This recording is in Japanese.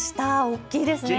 大きいですね。